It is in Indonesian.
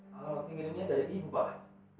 kalau ingin ini ada di ibupakai